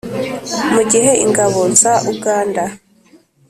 mu gihe ingabo za uganda (nra)